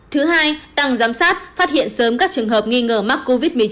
thứ hai tăng giám sát phát hiện sớm các trường hợp nghi ngờ mắc covid một mươi chín